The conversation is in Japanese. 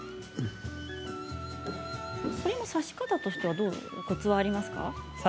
これも、さし方としてはコツがありますか？